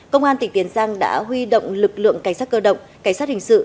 công an tỉnh tiền giang đã huy động lực lượng cảnh sát cơ động cảnh sát hình sự